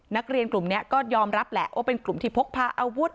นักเรียนกลุ่มนี้ก็ยอมรับแหละว่าเป็นกลุ่มที่พกพาอาวุธ